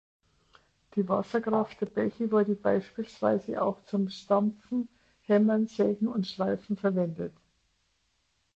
Die Wasserkraft der Bäche wurde beispielsweise auch zum Stampfen, Hämmern, Sägen und Schleifen verwendet.